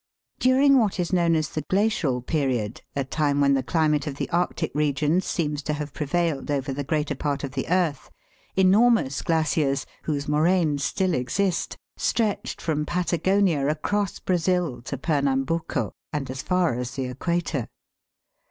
THE GLACIAL PERIOD. 71 During what is known as the Glacial Period, a time when the climate of the Arctic regions seems to have prevailed over the greater part of the earth, enormous glaciers, whose mo raines still exist, stretched from Patagonia across Brazil to Pernambuco, and as far as the equator.